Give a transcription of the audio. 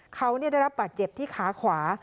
เขาได้รับบาดเจ็บที่ขาขวา